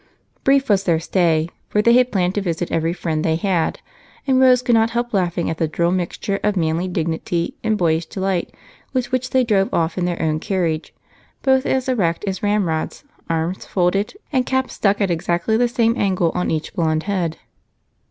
Brief was their stay, for they planned to visit every friend they had, and Rose could not help laughing at the droll mixture of manly dignity and boyish delight with which they drove off in their own carriage, both as erect as ramrods, arms folded, and caps stuck at exactly the same angle on each blond head.